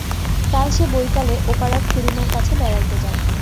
কাল সে বৈকালে ওপাড়ার খুড়িমার কাছে বেড়াইতে যায়।